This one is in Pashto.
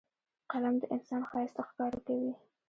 قلم د انسان ښایست ښکاره کوي